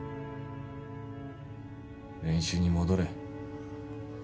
練習に戻れ。